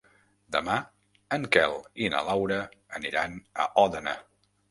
Demà en Quel i na Laura aniran a Òdena.